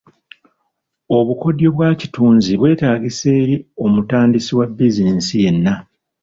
Obukodyo bw'obwakitunzi bwetaagisa eri omutandisi wa bizinensi yenna.